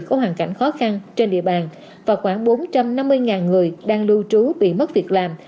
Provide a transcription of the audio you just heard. có hoàn cảnh khó khăn trên địa bàn và khoảng bốn trăm năm mươi người đang lưu trú bị mất việc làm